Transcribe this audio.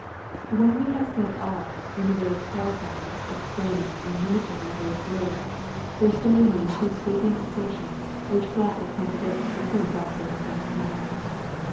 When we have said all, in the way of qualify ing, explaining, and limiting our Lord's words, there still remain two sweeping assertions, which flatly con tradict the current doctrine of mankind.